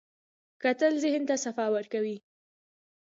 کتل ذهن ته صفا ورکوي